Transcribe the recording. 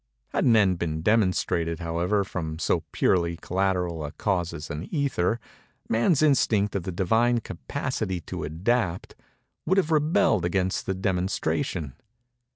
Had an end been demonstrated, however, from so purely collateral a cause as an ether, Man's instinct of the Divine capacity to adapt, would have rebelled against the demonstration.